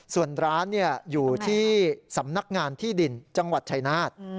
ส่วนร้านอยู่ที่สำนักงานที่ดินจังหวัดชายนาฏ